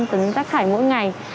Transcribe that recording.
một năm trăm linh tấn rác thải mỗi ngày